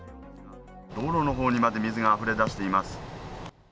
道路のほうにまで水があふれ出しています。